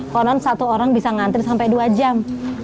konon satu orang bisa ngantri sampai dua jam